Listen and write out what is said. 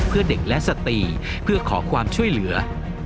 เพื่อเด็กและสติเพื่อขอความช่วยเหลือ